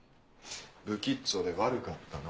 ぶきっちょで悪かったな。